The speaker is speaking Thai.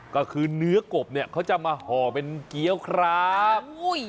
ก็คือเนื้อกบเนี่ยเขาจะมาห่อเป็นเกี้ยวครับ